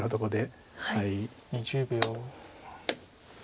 ここで。